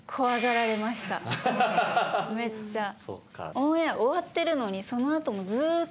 オンエア終わってるのにその後もずっと。